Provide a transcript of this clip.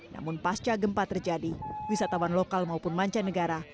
namun pasca gempa terjadi wisatawan lokal maupun mancanegara